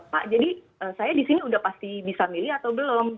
pak jadi saya disini udah pasti bisa milih atau belum